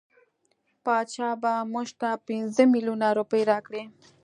بادشاه به مونږ ته پنځه میلیونه روپۍ راکړي.